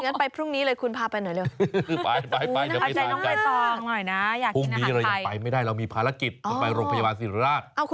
โอ้โฮอย่างนั้นไปพรุ่งนี้เลยคุณพาไปหน่อยเร็ว